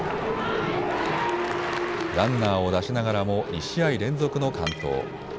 ランナーを出しながらも２試合連続の完投。